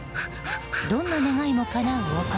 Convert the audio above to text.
どんな願いもかなう王国